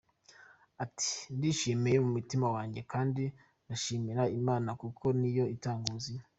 Ati “Ndishimiye mu mutima wanjye kandi ndashimira Imana kuko niyo itanga ubuzima.